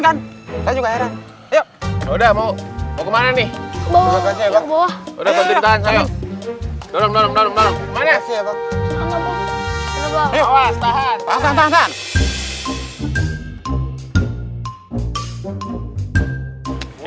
kan saya juga heran yuk udah mau kemana nih